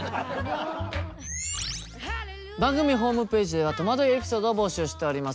番組ホームページではとまどいエピソードを募集しております。